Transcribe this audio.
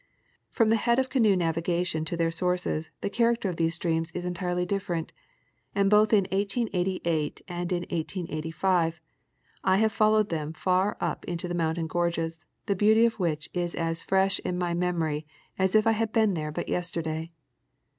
From the head of canoe navigation to their sources the char acter of these streams is entirely different, and both in 1888 and in 1885 I have followed them far up into mountain gorges, the beauty of which is as fresh in ray memory as if I had been there but yesterday.